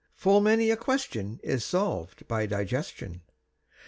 Full many a question is solved by digestion.